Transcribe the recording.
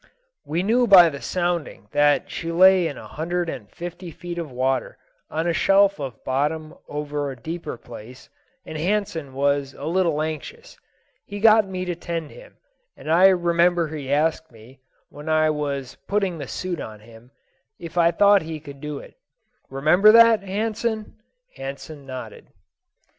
"We knew by the sounding that she lay in a hundred and fifty feet of water on a shelf of bottom over a deeper place, and Hansen was a little anxious. He got me to tend him, and I remember he asked me, when I was putting the suit on him, if I thought he could do it. Remember that, Hansen?" Hansen nodded.